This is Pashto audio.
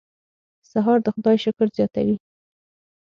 سهار د خدای شکر زیاتوي.